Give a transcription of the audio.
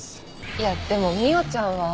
いやでも未央ちゃんは。